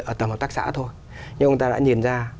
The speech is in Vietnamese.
ở tầm tạc xã thôi nhưng ông ta đã nhìn ra